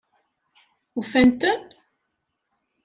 Ufan-ten?